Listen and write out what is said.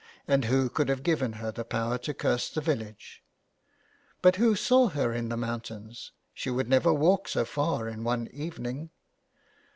And who could have given her the power to curse the village ?"'' But who saw her in the mountains ? She would never walk so far in one evening."